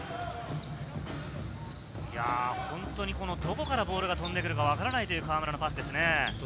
本当にどこからボールが飛んでくるかわからない河村のパスですね。